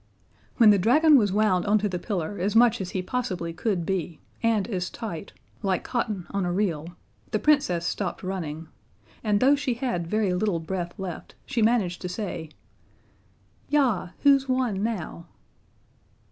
When the dragon was wound onto the pillar as much as he possibly could be, and as tight like cotton on a reel the Princess stopped running, and though she had very little breath left, she managed to say, "Yah who's won now?"